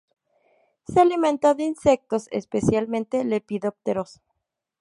Se alimenta de insectos, especialmente lepidópteros.